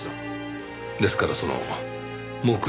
ですからその目撃情報。